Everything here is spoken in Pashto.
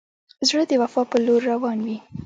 زړه د وفا پر لور روان وي.